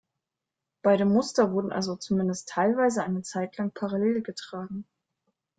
Beide Muster wurden also zumindest teilweise eine Zeit lang parallel getragen.